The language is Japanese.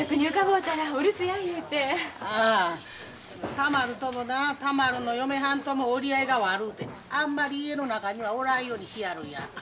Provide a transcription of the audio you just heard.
田丸ともな田丸の嫁はんとも折り合いが悪うてあんまり家の中にはおらんようにしやるんや。